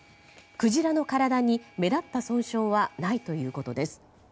クジラの体に目立った損傷はないということです。